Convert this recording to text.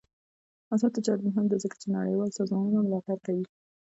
آزاد تجارت مهم دی ځکه چې نړیوال سازمانونه ملاتړ کوي.